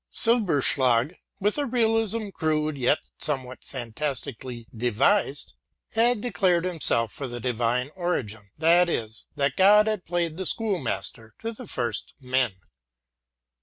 Sissmilch, with a realism crude, yet somewhat fantastically devised, had declared him self for the divine origin; that is, that God had played the schoolmaster to the first men.